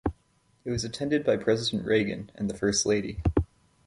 It was attended by President Reagan and the First Lady.